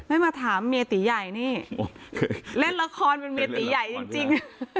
ไม่มาถามเมียตีใหญ่นี่เล่นละครเป็นเมียตีใหญ่จริง